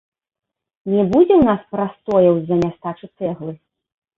Не будзе ў нас прастояў з-за нястачы цэглы?